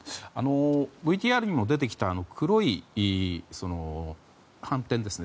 ＶＴＲにも出てきた黒い斑点ですね。